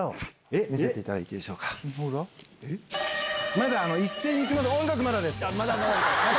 まだ一斉にいきます、音楽まだです。